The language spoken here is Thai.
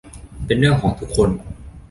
เป็นเรื่องของทุกคน